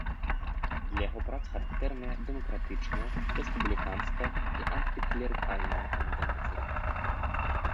Для яго прац характэрная дэмакратычная, рэспубліканская і антыклерыкальная тэндэнцыі.